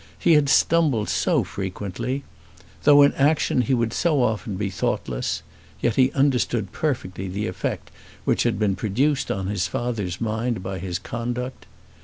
He had stumbled so frequently! Though in action he would so often be thoughtless, yet he understood perfectly the effect which had been produced on his father's mind by his conduct.